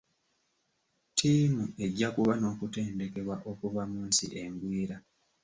Tiimu ejja kuba n'okutendekebwa okuva mu nsi engwira.